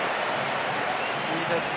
いいですね。